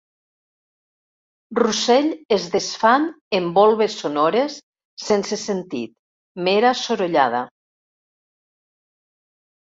Russell es desfan en volves sonores sense sentit, mera sorollada.